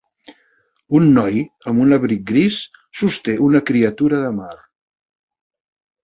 Un noi amb un abric gris sosté una criatura de mar.